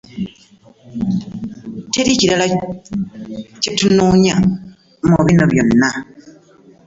Teri kirala kye tunoonya mu bino byonna.